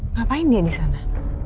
ngapain dia di sana